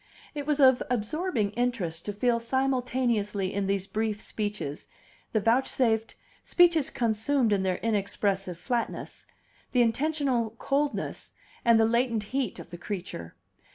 It was of absorbing interest to feel simultaneously in these brief speeches he vouchsafed speeches consummate in their inexpressive flatness the intentional coldness and the latent heat of the creature.